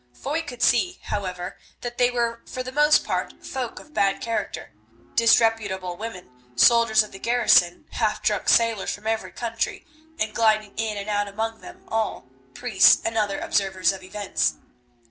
Foy could see, however, that they were for the most part folk of bad character, disreputable women, soldiers of the garrison, half drunk sailors from every country, and gliding in and out among them all, priests and other observers of events.